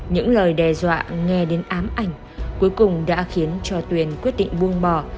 những lời đe dọa nghe đến ám ảnh cuối cùng đã khiến cho tuyền quyết định buông bỏ